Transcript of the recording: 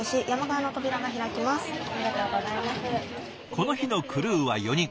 この日のクルーは４人。